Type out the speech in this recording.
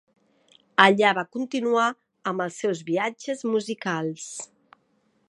Allà va continuar amb els seus viatges musicals.